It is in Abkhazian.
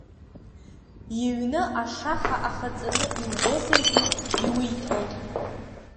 Иҩны ашаха ахаҵаны иугозаргьы, иуиҭон.